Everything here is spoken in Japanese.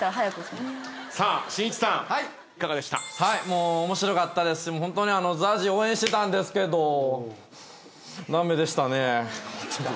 もう面白かったですしホントにＺＡＺＹ応援してたんですけど駄目でしたね。